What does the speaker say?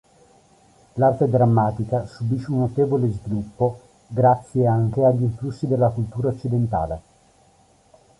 L'arte drammatica subisce un notevole sviluppo grazie anche agli influssi della cultura occidentale.